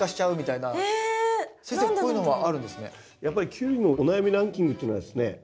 やっぱりキュウリのお悩みランキングっていうのはですね